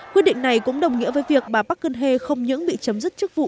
quyết định này cũng đồng nghĩa với việc bà park geun hye không những bị chấm dứt chức vụ